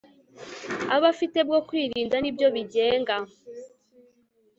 aba afite bwo kwirinda ni byo bigenga